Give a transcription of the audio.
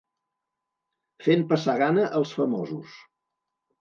Fent passar gana els famosos.